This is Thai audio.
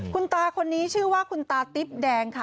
คุณตาคนนี้ชื่อว่าคุณตาติ๊บแดงค่ะ